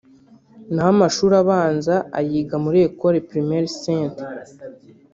naho amashuri abanza ayiga muri Ecole Primaire St